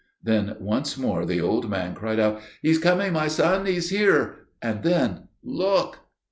Then once more the old man cried out: "He is coming, my son. He is here:" and then, "Look!"